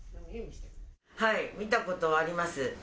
はい、見たことあります。